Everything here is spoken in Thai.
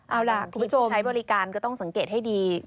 เอาล่ะคุณผู้ชมใช้บริการก็ต้องสังเกตให้ดี